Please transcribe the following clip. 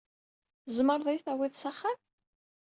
Tzemreḍ ad iyi-tawiḍ s axxam?